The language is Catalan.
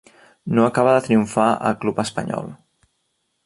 No acaba de triomfar al club espanyol.